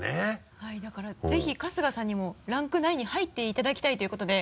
はいだからぜひ春日さんにもランク内に入っていただきたいということで。